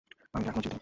আমি তো এখনও জীবিত।